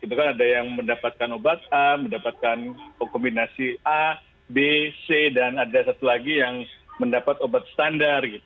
bahkan ada yang mendapatkan obat a mendapatkan kombinasi a b c dan ada satu lagi yang mendapat obat standar